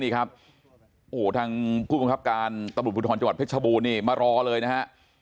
ทางผู้บังคับการตะบุปุธรจังหวัดพฤษบูรณ์มารอเลยนะฮะ